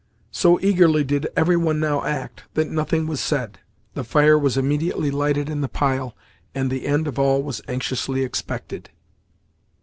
So eagerly did every one now act, that nothing was said. The fire was immediately lighted in the pile, and the end of all was anxiously expected.